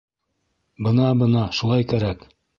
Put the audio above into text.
— Бына, бына шулай кәрәк!